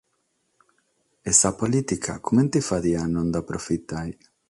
E sa polìtica comente faghiat a no nde aprofitare?